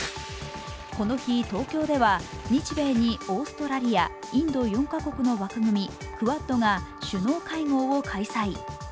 この日東京では日米にオーストラリア、インド４カ国の枠組みクアッドが首脳会合を開催。